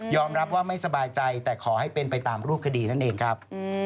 รับว่าไม่สบายใจแต่ขอให้เป็นไปตามรูปคดีนั่นเองครับ